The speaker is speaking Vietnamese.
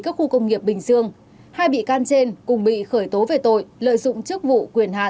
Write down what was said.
các khu công nghiệp bình dương hai bị can trên cùng bị khởi tố về tội lợi dụng chức vụ quyền hạn